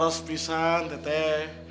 larus pisang teteh